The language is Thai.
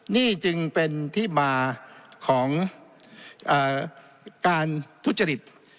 นี่จึงเป็นที่มาของการทุจริต